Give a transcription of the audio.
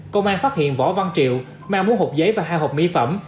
công an phát hiện vỏ văn triệu mang mua hộp giấy và hai hộp mỹ phẩm